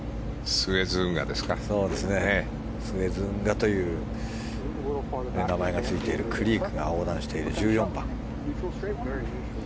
スエズ運河という名前がついているクリークが横断している１４番。